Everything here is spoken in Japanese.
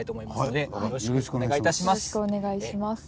よろしくお願いします。